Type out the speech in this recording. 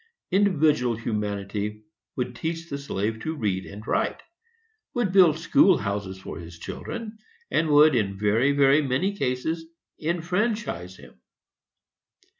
Individual humanity would teach the slave to read and write,—would build school houses for his children, and would, in very, very many cases, enfranchise him.